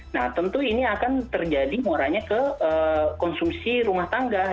nah tentu ini akan terjadi muaranya ke konsumsi rumah tangga